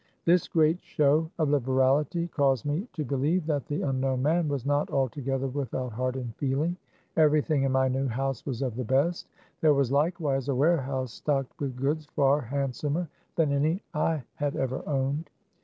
This great show of liberality caused me to be lieve that the unknown man was not altogether without heart and feeling. Everything in my new house was of the best. There was likewise a warehouse stocked with goods far handsomer than any I had ever owned.